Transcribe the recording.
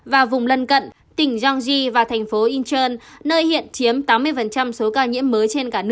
và vùng lân cận tỉnh gyeonggi và thành phố incheon nơi hiện chiếm tám mươi số ca nhiễm mới